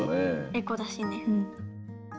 エコだしね。